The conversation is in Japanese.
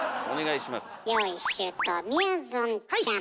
用意周到みやぞんちゃん。